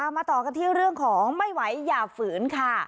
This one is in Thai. มาต่อกันที่เรื่องของไม่ไหวอย่าฝืนค่ะ